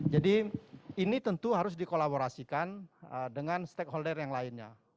jadi ini tentu harus dikolaborasikan dengan stakeholder yang lainnya